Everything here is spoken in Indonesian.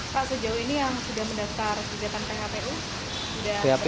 pak sejauh ini yang sudah mendaftar kegiatan phpu